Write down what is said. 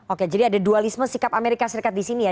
oke jadi ada dualisme sikap amerika serikat di sini ya